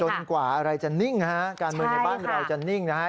กว่าอะไรจะนิ่งฮะการเมืองในบ้านเราจะนิ่งนะฮะ